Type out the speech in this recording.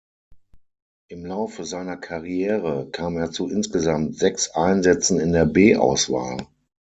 Im Laufe seiner Karriere kam er zu insgesamt sechs Einsätzen in der B-Auswahl.